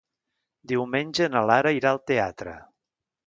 Diumenge na Lara irà al teatre.